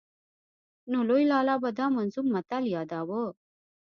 نو لوی لالا به دا منظوم متل ياداوه.